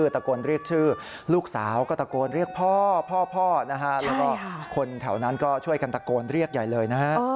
แถวนั้นก็ช่วยกันตะโกนเรียกใหญ่เลย